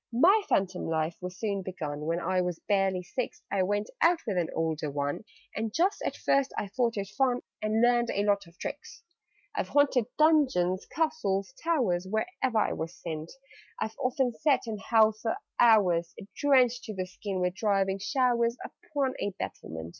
"My phantom life was soon begun: When I was barely six, I went out with an older one And just at first I thought it fun, And learned a lot of tricks. "I've haunted dungeons, castles, towers Wherever I was sent: I've often sat and howled for hours, Drenched to the skin with driving showers, Upon a battlement.